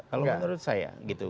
kalau menurut saya gitu